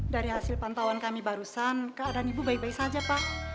dari hasil pantauan kami barusan keadaan ibu baik baik saja pak